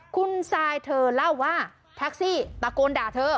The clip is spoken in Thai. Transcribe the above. คุณซายเธอเล่าว่าแท็กซี่ตะโกนด่าเธอ